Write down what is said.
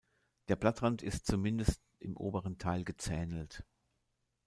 Der Blattrand ist zumindest im oberen Teil gezähnelt.